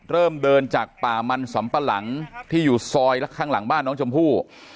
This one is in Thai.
เริ่มเดินจากป่ามันสำปะหลังที่อยู่ซอยและข้างหลังบ้านน้องชมพู่